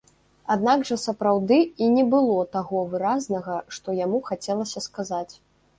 Аднак жа сапраўды і не было таго выразнага, што яму хацелася сказаць.